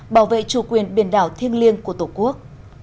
bảo vệ chủ quyền biển đảo thiêng liêng của tổ quốc